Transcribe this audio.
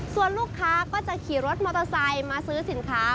ส่วนลูกค้าก็จะขี่รถมอเตอร์ไซค์มาซื้อสินค้า